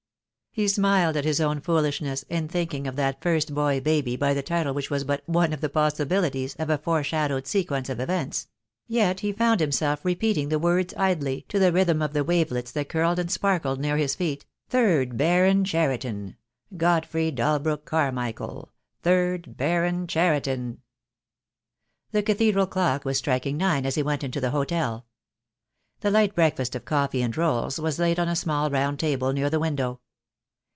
He smiled at his own foolishness in thinking of that first boy baby by the title which was but one of the possibilities of a foreshadowed sequence of events; yet he found himself repeating the words idly, to the rhythm of the wavelets that curled and sparkled near his feet — third Baron Cheriton, Godfrey Dalbrook Carmi chael, third Baron Cheriton. The cathedral clock was striking nine as he went into the hotel. The light breakfast of coffee and rolls was laid on a small round table near the window.